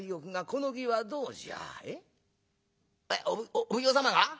お奉行様が？